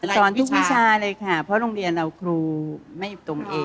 สอนทุกวิชาเลยค่ะเพราะโรงเรียนเราครูไม่อยู่ตรงนี้